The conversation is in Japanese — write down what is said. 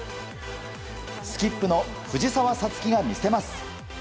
スキップの藤澤五月が魅せます。